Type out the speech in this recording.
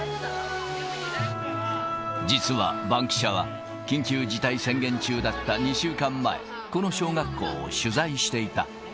実はバンキシャは、緊急事態宣言中だった２週間前、この小学校を取材していた。